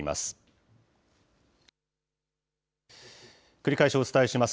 繰り返しお伝えします。